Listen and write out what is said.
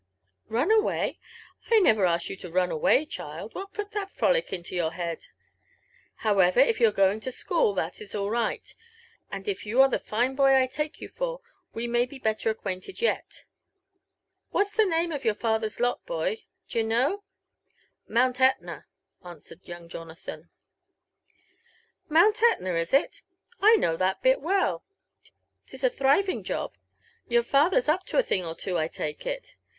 Run away! — I never asked you to run away, child. What put ihal frolic into your head? However, if you are going to school, that is all right ; and if you are the fine boy I take you for, we may be « belter acquainted yet. What's the name of your father's lot, boy?— d'ye know?" ; J • Mount Etna," answered young Jonathan. JONATHAN JEFFERSON WHITLAW, 25 •* Mount Etna, is it? I know that bit well ; 'lis a thriving job,— your father's up to a thing or two, I lake it.